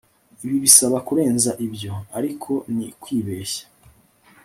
ibi birasa kurenza ibyo, ariko ni kwibeshya